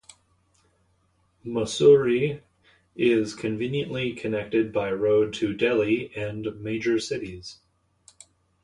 Mussoorie is conveniently connected by road to Delhi and major cities.